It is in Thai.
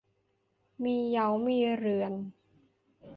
มีเหย้ามีเรือน